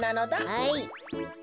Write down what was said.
はい。